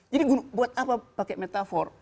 jadi buat apa pakai metafor